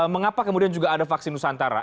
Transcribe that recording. mengapa kemudian juga ada vaksin nusantara